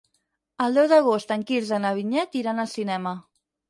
El deu d'agost en Quirze i na Vinyet iran al cinema.